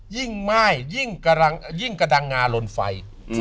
ยิ่งไม่ยิ่งกระดังงานลนไฟ